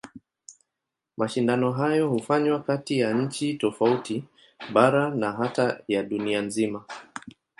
Mashindano hayo hufanywa kati ya nchi tofauti, bara na hata ya dunia nzima.